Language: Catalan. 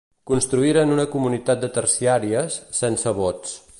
Constituïren una comunitat de terciàries, sense vots.